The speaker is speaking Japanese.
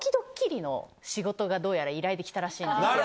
どうやら依頼で来たらしいんですよ。